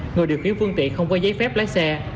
người điều khiển phương tiện không có giấy phép lái xe